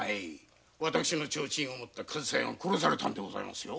私のチョウチンを持った上総屋が殺されたんでございますよ。